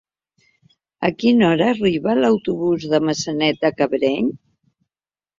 A quina hora arriba l'autobús de Maçanet de Cabrenys?